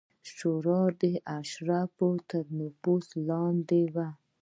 شورا د اشرافو تر نفوذ لاندې وه